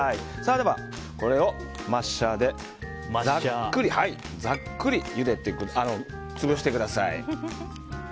では、これをマッシャーでざっくり潰してください。